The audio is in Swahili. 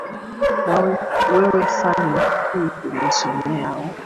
wewe fani hii umeisomea au